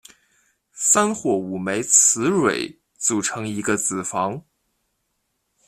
三或五枚雌蕊组成一个子房。